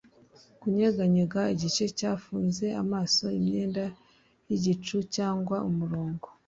Kunyeganyega igice cyafunze amaso imyenda yigicu cyangwa umurongo